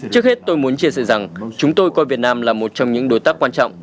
trước hết tôi muốn chia sẻ rằng chúng tôi coi việt nam là một trong những đối tác quan trọng